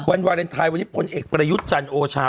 วันวาเลนไทยวันนี้คนเอกประยุจันโอชา